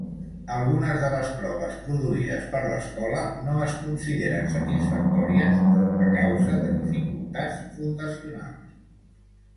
Algunes de les proves produïdes per l'escola no es consideren satisfactòries a causa de dificultats fundacionals.